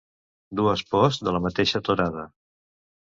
Dues posts de la mateixa torada.